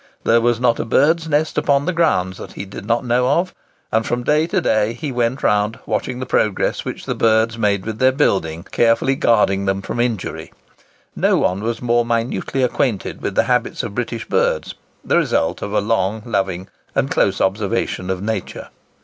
There was not a bird's nest upon the grounds that he did not know of; and from day to day he went round watching the progress which the birds made with their building, carefully guarding them from injury. No one was more minutely acquainted with the habits of British birds, the result of a long, loving, and close observation of nature.